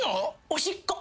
おしっこ。